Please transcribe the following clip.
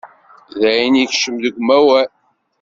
Dayen ikcem deg umawal.